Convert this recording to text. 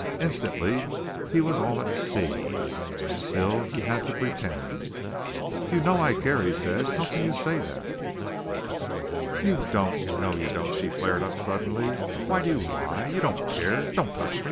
Instantly he was all at sea. Still he had to pretend. "You know I care," he said. "How can you say that?" "You don't. You know you don't!" she flared up suddenly. "Why do you lie? You don't care. Don't touch me.